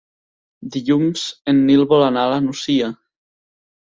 Dilluns en Nil vol anar a la Nucia.